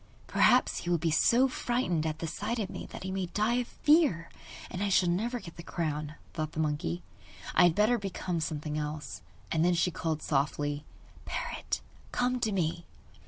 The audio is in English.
'Perhaps he will be so frightened at the sight of me that he may die of fear, and I shall never get the crown,' thought the monkey. 'I had better become something else.' And she called softly: 'Parrot, come to me!